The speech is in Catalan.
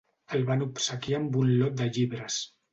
El van obsequiar amb un lot de llibres.